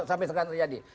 sampai sekarang aja terjadi